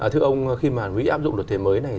thưa ông khi mà mỹ áp dụng luật thuế mới này